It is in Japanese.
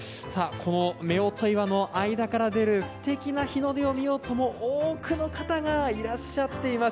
この夫婦岩の間から出るすてきな日の出を見ようと、多くの方がいらっしゃっています。